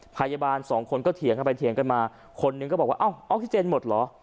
พยาบาลสองคนก็เถียงกันไปเถียงกันมาคนนึงก็บอกว่าเอ้าออกซิเจนหมดเหรอ